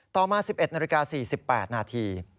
มา๑๑นาฬิกา๔๘นาที